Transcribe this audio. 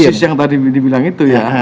walau kursus yang tadi dibilang itu ya